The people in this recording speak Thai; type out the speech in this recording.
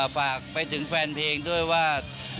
ฝากไปถึงแฟนเพลงด้วยว่า